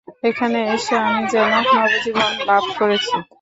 এখানে এসে আমি যেন নবজীবন লাভ করেছি।